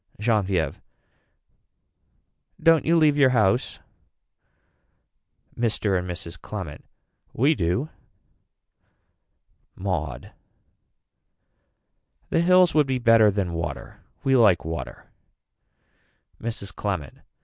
Genevieve. Don't you leave your house. Mr. and Mrs. Clement. We do. Maud. The hills would be better than water. We like water. Mrs. Clement.